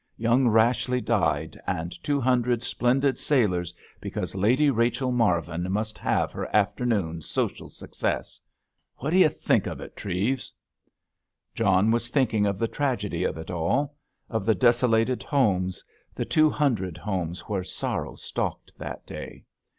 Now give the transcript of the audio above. Young Rashleigh died, and two hundred splendid sailors, because Lady Rachel Marvin must have her afternoon's social success! What do you think of it, Treves?" John was thinking of the tragedy of it all—of the desolated homes—the two hundred homes where sorrow stalked that day.